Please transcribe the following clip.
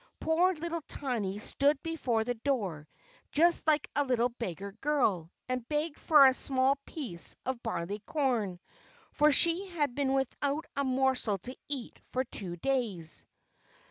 Poor little Tiny stood before the door just like a little beggar girl, and begged for a small piece of barley corn, for she had been without a morsel to eat for two days.